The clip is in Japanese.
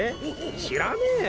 知らねえよ！